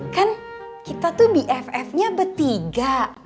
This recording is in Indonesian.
kan kita tuh bffnya bertiga